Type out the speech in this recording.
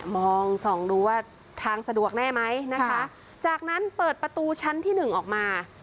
มองส่องดูว่าทางสะดวกแน่ไหมนะคะจากนั้นเปิดประตูชั้นที่หนึ่งออกมา